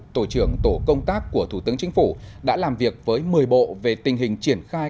tổ trưởng tổ công tác của thủ tướng chính phủ đã làm việc với một mươi bộ về tình hình triển khai